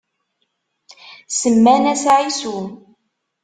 Semman-as Ɛisu.